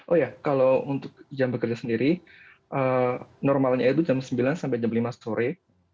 oh ya kalau untuk jam bekerja sendiri normalnya itu jam sembilan sampai jam lima sore